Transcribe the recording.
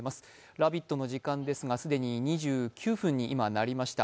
「ラヴィット！」の時間ですが、既に２９分になりました。